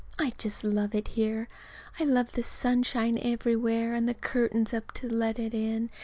I just love it here. I love the sunshine everywhere, and the curtains up to let it in.